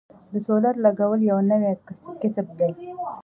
د سولر لګول یو نوی کسب دی